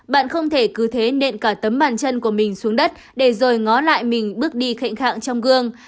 bạn không thể cứ thế nên cả tấm bàn chân của mình xuống đất để rồi ngó lại mình bước đi khệnh khạng trong gương